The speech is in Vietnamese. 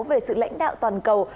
về sự lãnh đạo toàn cầu